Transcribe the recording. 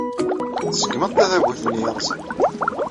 Tṣeggmeḍ tadabut-nni yerrẓen.